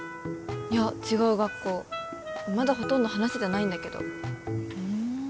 いや違う学校まだほとんど話せてないんだけどふん